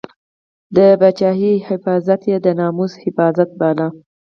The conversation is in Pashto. د پاچاهۍ حفاظت یې د ناموس حفاظت باله.